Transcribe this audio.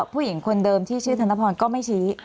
ผู้หญิงคนเดิมที่ชื่อธนพรก็ไม่ชี้